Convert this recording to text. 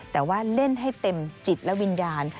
แต่ว่าเล่นให้เต็มจิตและวิญญาณ